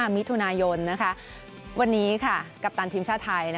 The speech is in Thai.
มิตรทุนายนนะคะวันนี้ค่ะกัปตันทีมชาษน์ไทยนะ